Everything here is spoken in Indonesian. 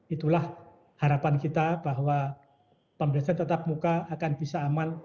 itulah harapan kita bahwa pembelajaran tetap muka akan bisa aman